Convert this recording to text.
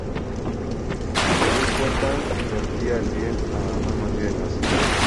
Según cuentan vertía el bien a manos llenas.